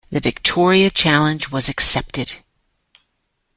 The Victoria challenge was accepted.